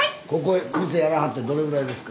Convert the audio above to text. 店やらはってどれぐらいですか？